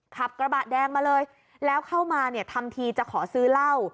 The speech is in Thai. ขับกระบะแดงมาเลยแล้วเข้ามาเนี่ยทำทีจะขอซื้อเหล้า